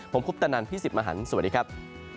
ผมคุปตนันพี่สิบมหันสวัสดีครับ